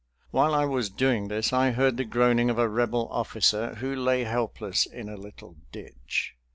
While I was doing this I heard the groaning of a Rebel officer, who lay helpless in a little ditch.